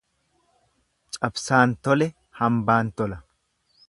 Cabsaan tole hambaan tola.